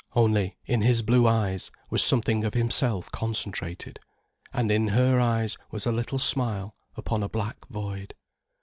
Only, in his blue eyes, was something of himself concentrated. And in her eyes was a little smile upon a black void.